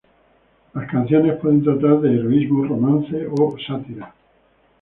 Las canciones pueden tratar de heroísmo, romance o sátira.